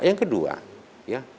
yang kedua ya